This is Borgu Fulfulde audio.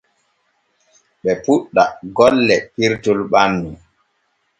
Ɓe puuɗɗa golle pirtol ɓannu.